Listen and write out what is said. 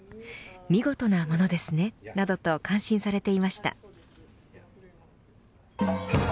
見事なものですねなどと感心されていました。